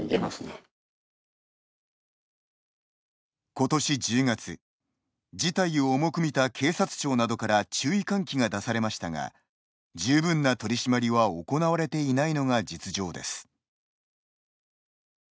今年１０月事態を重く見た警察庁などから注意喚起が出されましたが十分な取り締まりは行われていないのが実情です。